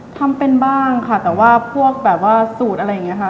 ทำเป็นบ้างค่ะแต่ว่าพวกแบบว่าสูตรอะไรอย่างนี้ค่ะ